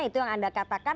itu yang anda katakan